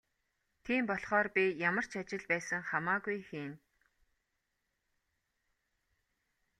Тийм болохоор би ямар ч ажил байсан хамаагүй хийнэ.